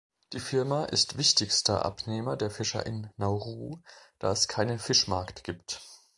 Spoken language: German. Die Firma ist wichtigster Abnehmer der Fischer in Nauru, da es keinen Fischmarkt gibt.